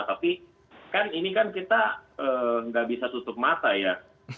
tapi kan ini kan kita nggak bisa tutup mata ya